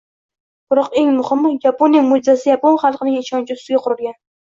Biroq eng muhimi – Yaponiya «mo‘’jizasi» yapon xalqining ishonchi ustiga qurilgan.